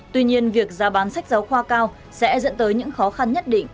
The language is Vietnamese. tuy nhiên việc ra bán sách giáo khoa cao sẽ dẫn tới những khó khăn nhất định